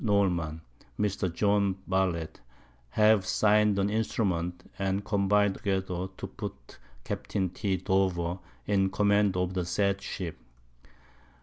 Knowlman, and Mr. John Ballett, have sign'd an Instrument, and combin'd together, to put Capt. T. Dover _in Command of the said Ship.